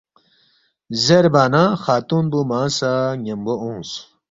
زیربا نہ خاتون پو مانگ سہ ن٘یمبو اونگس